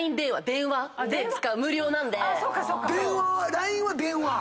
ＬＩＮＥは電話。